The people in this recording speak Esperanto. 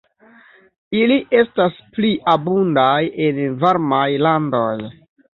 Ili estas pli abundaj en varmaj landoj.